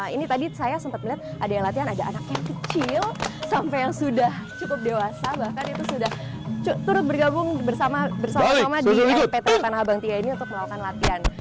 ini tadi saya sempat melihat ada yang latihan ada anak yang kecil sampai yang sudah cukup dewasa bahkan itu sudah turut bergabung bersama sama di pt tanah abang tiga ini untuk melakukan latihan